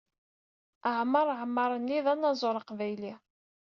Aɛmar Amarni d anaẓur aqbayli.